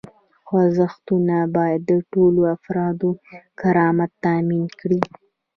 جوړښتونه باید د ټولو افرادو کرامت تامین کړي.